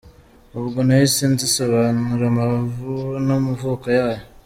Ubwo nahise nzisobanura amavu n’amavuko yayo :